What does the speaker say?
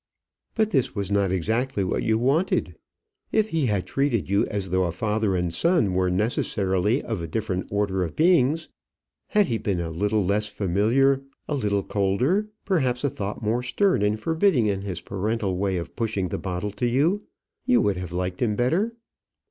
"But this was not exactly what you wanted. If he had treated you as though a father and son were necessarily of a different order of beings, had he been a little less familiar, a little colder, perhaps a thought more stern and forbidding in his parental way of pushing the bottle to you, you would have liked him better?"